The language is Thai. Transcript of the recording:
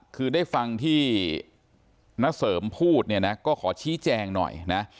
คือได้ฟังที่นักเสริมพูดก็ขอชี้แจงหน่อย